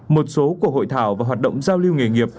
một số của hội thảo và hoạt động giao lưu nghề nghiệp